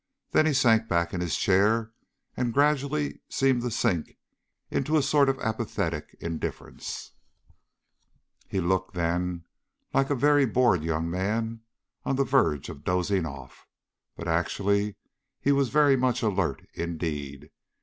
Then he sank back in his chair and gradually seemed to sink into a sort of apathetic indifference. He looked, then, like a very bored young man on the verge of dozing off. But actually he was very much alert indeed.